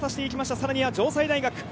さらには城西大学。